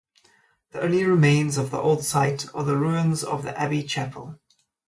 The only remains of the old site are the ruins of the Abbey chapel.